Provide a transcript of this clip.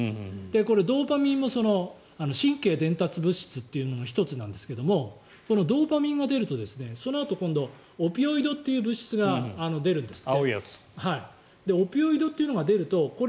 これ、ドーパミンも神経伝達物質というのの１つなんですがドーパミンが出るとそのあと、今度オピオイドという物質が出るんですって。